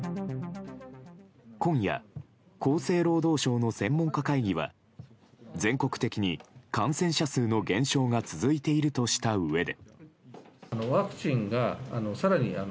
今夜、厚生労働省の専門家会議は全国的に感染者数の減少が続いているとしたうえで。